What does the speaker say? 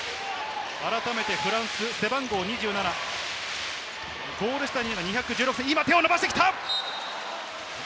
改めてフランス背番号２７、ゴール下に２１６ｃｍ、今、手を伸ばしてきた！